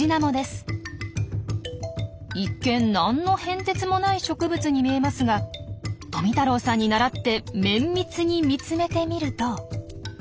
一見何の変哲もない植物に見えますが富太郎さんにならって綿密に見つめてみると。